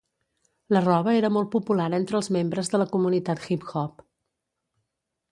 La roba era molt popular entre els membres de la comunitat hip-hop.